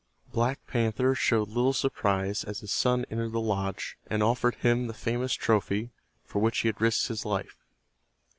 Black Panther showed little surprise as his son entered the lodge, and offered him the famous trophy for which he had risked his life.